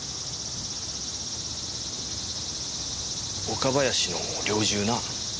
岡林の猟銃な。